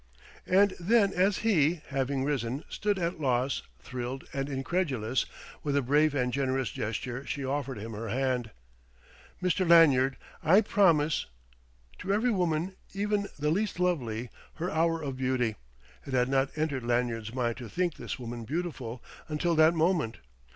And then as he, having risen, stood at loss, thrilled, and incredulous, with a brave and generous gesture she offered him her hand. "Mr. Lanyard, I promise...." To every woman, even the least lovely, her hour of beauty: it had not entered Lanyard's mind to think this woman beautiful until that moment.